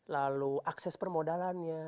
lalu akses permodalannya